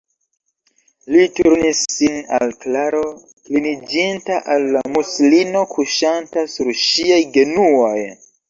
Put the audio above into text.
Li turnis sin al Klaro, kliniĝinta al la muslino kuŝanta sur ŝiaj genuoj.